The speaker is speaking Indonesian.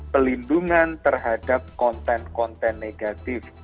pelindungan terhadap konten konten negatif